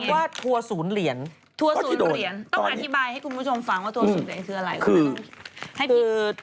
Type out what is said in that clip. ครับว่าทัวร์ศูนย์เหรียญก็ที่โดยต้องอธิบายให้คุณผู้ชมฟังว่าทัวร์ศูนย์เหรียญคืออะไร